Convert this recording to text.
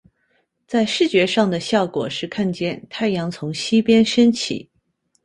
在视觉上的效果是看见太阳从西边升起。